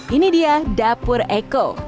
ini dia dapur eko